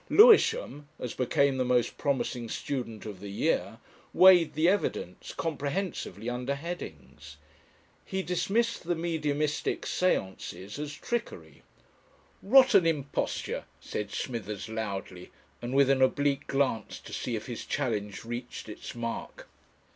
Lewisham, as became the most promising student of the year, weighed the evidence comprehensively under headings. He dismissed the mediumistic séances as trickery. "Rot and imposture," said Smithers loudly, and with an oblique glance to see if his challenge reached its mark.